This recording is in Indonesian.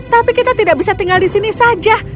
tapi kita tidak bisa tinggal di sini saja